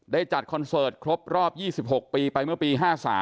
จัดคอนเสิร์ตครบรอบ๒๖ปีไปเมื่อปี๕๓